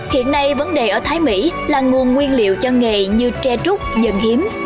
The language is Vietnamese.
hiện nay vấn đề ở thái mỹ là nguồn nguyên liệu cho nghề như tre trúc dân hiếm